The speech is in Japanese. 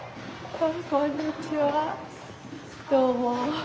どうも。